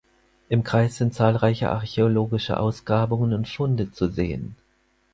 Im Kreis sind zahlreiche archäologische Ausgrabungen und Funde zu sehen.